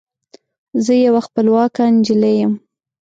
زه یوه خپلواکه نجلۍ یم